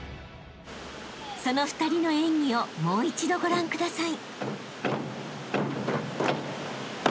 ［その２人の演技をもう一度ご覧ください］